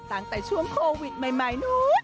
ตั้งแต่ช่วงโควิดใหม่นู้น